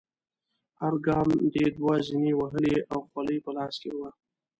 هر ګام دې دوه زینې وهلې او خولۍ په لاس کې وه.